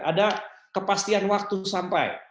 ada kepastian waktu sampai